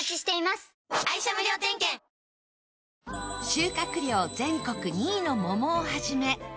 収穫量全国２位の桃を始め